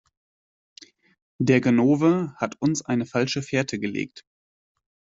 Der Ganove hat uns eine falsche Fährte gelegt.